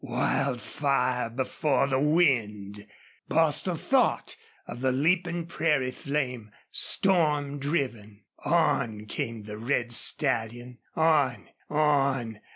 Wildfire before the wind! Bostil thought of the leaping prairie flame, storm driven. On came the red stallion on on!